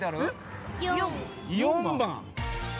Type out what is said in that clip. ４番？